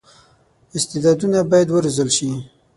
استعدادونه باید وروزل شي.